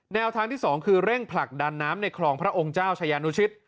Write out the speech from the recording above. แนวทางที่๒คือเร่งผลักดันน้ำในคลองพระองค์เจ้าชายานุชิต